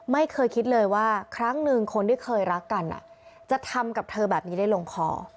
ไม่เคยคิดเลยว่าครั้งหนึ่งคนที่เคยรักกันจะทำกับเธอแบบนี้ได้ลงคอ